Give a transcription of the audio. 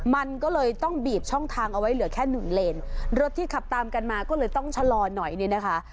มันก็เลยต้องบีบช่องทางเอาไว้เหลือแค่หนึ่งเลนรถที่ขับตามกันมาก็เลยต้องชะลอหน่อยเนี่ยนะคะ